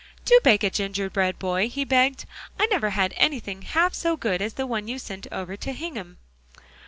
"Do bake a gingerbread boy," he begged. "I never had anything half so good as the one you sent over to Hingham."